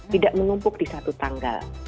tidak menumpuk di satu tanggal